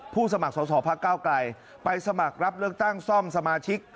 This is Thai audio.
สมัครสอบพระเก้าไกลไปสมัครรับเลือกตั้งซ่อมสมาชิก